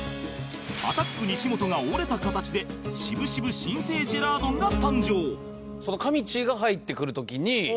アタック西本が折れた形で渋々新生ジェラードンが誕生